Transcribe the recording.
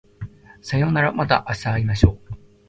さようならまた明日会いましょう